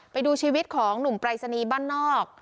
ไปดูชีวิตของลุงไปรษณีย์บ้านนอก